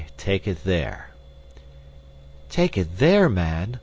"Aye, take it there." "Take it there, man!